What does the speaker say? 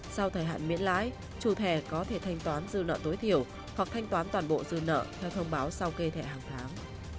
sau thời hạn miễn lãi chủ thẻ có thể thanh toán dư nợ tối thiểu hoặc thanh toán toàn bộ dư nợ theo thông báo sau kê thẻ hàng tháng